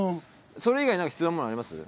それ以外何か必要なものあります？